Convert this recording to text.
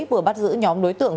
vừa bắt giữ nhóm đối tượng